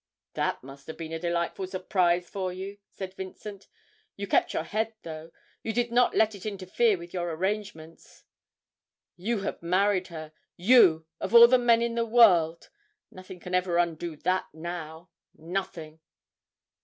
'That must have been a delightful surprise for you,' said Vincent; 'you kept your head though you did not let it interfere with your arrangements. You have married her you of all the men in the world! Nothing can ever undo that now nothing!'